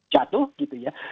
jatuh gitu ya